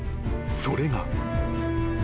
［それが］